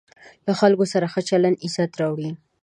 له خلکو سره ښه چلند عزت راوړي.